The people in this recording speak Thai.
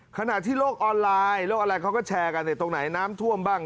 ขณะที่โลกออนไลน์โลกออนไลน์เขาก็แชร์กันตรงไหนน้ำท่วมบ้าง